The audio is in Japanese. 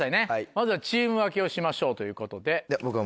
まずはチーム分けをしましょうということで。